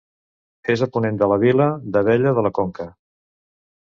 És a ponent de la vila d'Abella de la Conca.